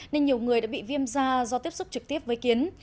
nên nhiều người đã bị viêm da do tiếp xúc trực tiếp với kiến